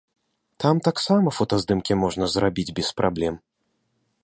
Там таксама фотаздымкі можна зрабіць без праблем.